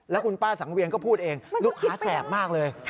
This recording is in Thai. แล้วคุณป้าสังเวียนก็พูดเองลูกค้าแสบมากเลย